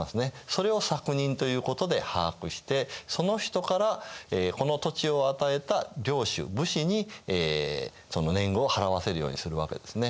それを作人ということで把握してその人からこの土地を与えた領主武士にその年貢を払わせるようにするわけですね。